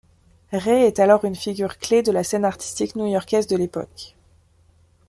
Ray est alors une figure clé de la scène artistique new-yorkaise de l'époque.